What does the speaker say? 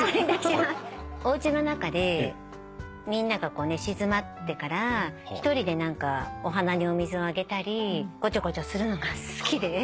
おうちの中でみんなが寝静まってから一人でお花にお水をあげたりごちょごちょするのが好きで。